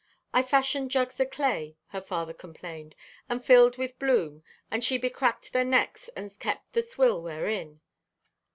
"I fashioned jugs o' clay," her father complained, "and filled with bloom, and she becracked their necks and kept the swill therein."